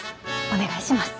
お願いします。